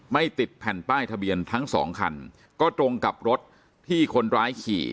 ไม่ติดแผ่นป้ายทะเบียนทั้งสองคันก็ตรงกับรถที่คนร้ายขี่